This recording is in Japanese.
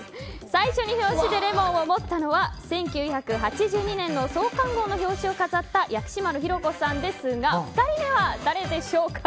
最初に表紙でレモンを持ったのは１９８２年の創刊号の表紙を飾った薬師丸ひろ子さんですが２人目は誰でしょうか。